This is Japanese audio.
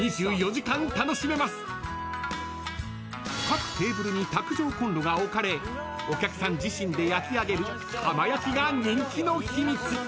［各テーブルに卓上コンロが置かれお客さん自身で焼きあげる浜焼きが人気の秘密］